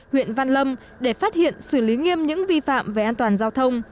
huyện văn lâm để phát hiện xử lý nghiêm những vi phạm về an toàn giao thông